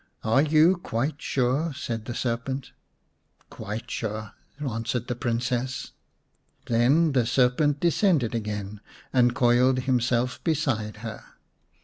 " Are you quite sure ?" said the serpent " Quite sure/' answered the Princess. Then the serpent descended again and coiled himself beside her.